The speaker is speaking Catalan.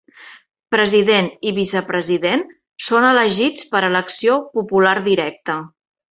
President i Vicepresident són elegits per elecció popular directa.